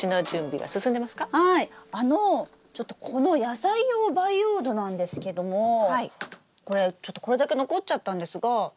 あのちょっとこの野菜用培養土なんですけどもこれちょっとこれだけ残っちゃったんですが。